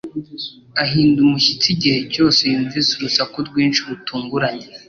Ahinda umushyitsi igihe cyose yumvise urusaku rwinshi, rutunguranye